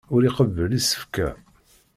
Ur iqebbel isefka.